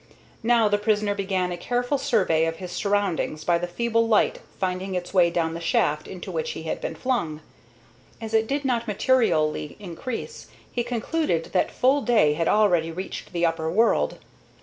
Now the prisoner began a careful survey of his surroundings by the feeble light finding its way down the shaft into which he had been flung. As it did not materially increase, he concluded that full day had already reached the upper world.